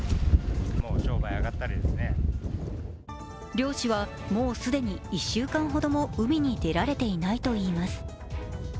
漁師は、もう既に１週間ほども海に出られていないといいます。